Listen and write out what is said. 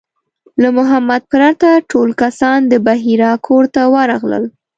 له محمد پرته ټول کسان د بحیرا کور ته ورغلل.